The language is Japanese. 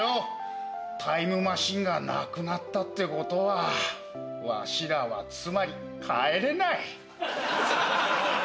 タイムマシンがなくなったってことはわしらはつまり帰れない。